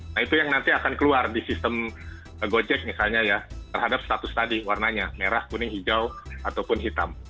nah itu yang nanti akan keluar di sistem gojek misalnya ya terhadap status tadi warnanya merah kuning hijau ataupun hitam